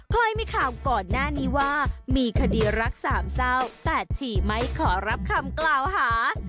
เคยมีข่าวก่อนหน้านี้ว่ามีคดีรักสามเศร้าแต่ฉี่ไม่ขอรับคำกล่าวหา